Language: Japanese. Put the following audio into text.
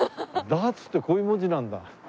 ダーツってこういう文字なんだ。